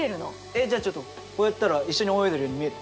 えっじゃあちょっとこうやったら一緒に泳いでるように見える？